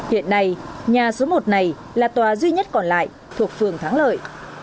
hiện nay nhà số một này là tòa duy nhất còn lại thuộc phường thắng lợi